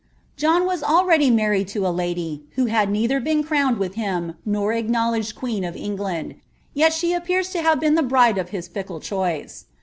John was already married to a lady who had neither been crnwM with him, nor acknowledged queen of England ; yet she appean tl have been the bride of his fickle choice.